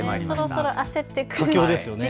そろそろ焦ってくる時期ですよね。